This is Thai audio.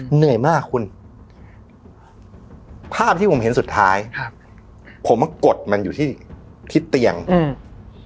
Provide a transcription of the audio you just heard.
เหนื่อยมากคุณภาพที่ผมเห็นสุดท้ายครับผมมากดมันอยู่ที่ที่เตียงอืม